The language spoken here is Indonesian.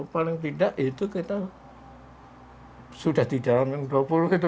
paling tidak itu kita sudah di dalam yang dua puluh gitu